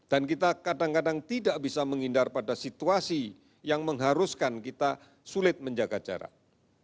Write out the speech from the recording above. dan kita kadang kadang tidak bisa menghindar pada situasi yang mengharuskan kita sulit menjaga jarak